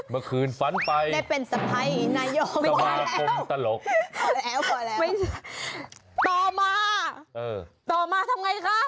เมื่อคืนฝันไปได้เป็นสะพัยในโยมพอแล้วต่อมาต่อมาทำไงคะ